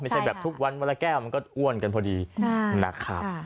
ไม่ใช่แบบทุกวันวันละแก้วมันก็อ้วนกันพอดีนะครับ